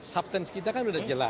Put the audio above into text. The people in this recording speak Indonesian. substansi kita kan sudah jelas ya